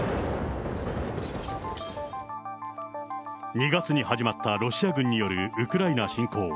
２月に始まったロシア軍によるウクライナ侵攻。